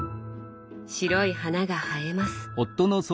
白い花が映えます。